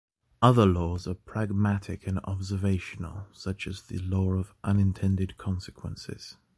Other laws are pragmatic and observational, such as the law of unintended consequences.